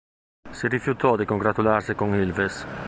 Si rifiutò di congratularsi con Ilves.